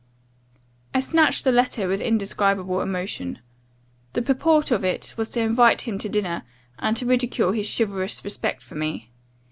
"I snatched the letter with indescribable emotion. The purport of it was to invite him to dinner, and to ridicule his chivalrous respect for me.